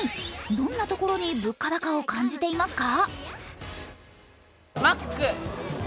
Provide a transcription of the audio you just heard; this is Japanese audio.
どんなところに物価高を感じていますか？